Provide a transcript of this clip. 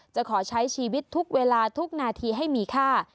จะขอใช้ชีวิตทุกเวลาทุกนาทีให้มีค่า